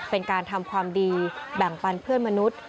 เป็นการทำความดีแบ่งปันเพื่อนมนุษย์